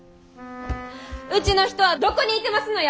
うちの人はどこにいてますのや。